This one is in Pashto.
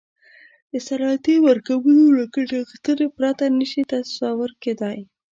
د صنعتي مرکبونو له ګټې اخیستنې پرته نه شي تصور کیدای.